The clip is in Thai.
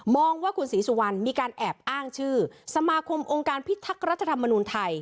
ว่าคุณศรีสุวรรณมีการแอบอ้างชื่อสมาคมองค์การพิทักษ์รัฐธรรมนุนไทย